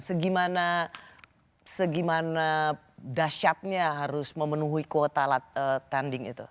segimana dasyatnya harus memenuhi kuota tanding itu